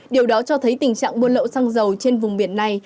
điều đó cho thấy tình trạng mua lậu sang dầu trên vùng biển này